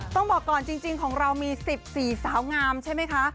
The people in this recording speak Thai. ต้องบอกก่อนจริงของเรามี๑๔สาวงามใช่ไหมคะ